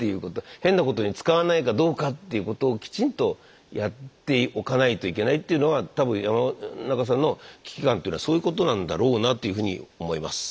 変なことに使わないかどうかということをきちんとやっておかないといけないというのは多分山中さんの危機感というのはそういうことなんだろうなというふうに思います。